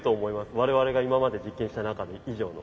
我々が今まで実験した中で以上の。